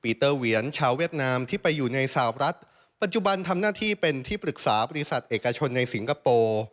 เตอร์เวียนชาวเวียดนามที่ไปอยู่ในสาวรัฐปัจจุบันทำหน้าที่เป็นที่ปรึกษาบริษัทเอกชนในสิงคโปร์